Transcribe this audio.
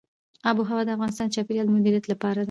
آب وهوا د افغانستان د چاپیریال د مدیریت لپاره ده.